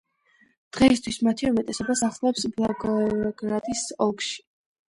დღეისთვის მათი უმეტესობა სახლობს ბლაგოევგრადის ოლქში.